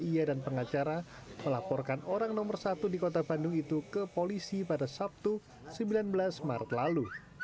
ia dan pengacara melaporkan orang nomor satu di kota bandung itu ke polisi pada sabtu sembilan belas maret lalu